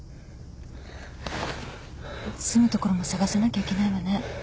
住むところも探さなきゃいけないわね。